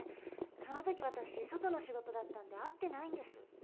その時私外の仕事だったので会ってないんです。